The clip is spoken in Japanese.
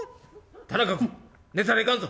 「田中君寝たらいかんぞ。